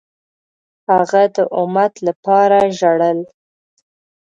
هغه د امت لپاره ژړل.